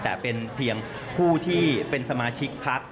แต่เป็นเพียงผู้ที่เป็นสมาชิกพัก